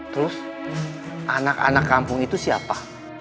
terus anak anak kampung itu siapa